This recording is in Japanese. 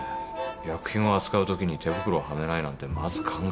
薬品を扱うときに手袋をはめないなんてまず考えられない。